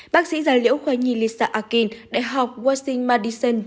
bác sĩ giả liễu khoa nhì lisa akin đại học washington madison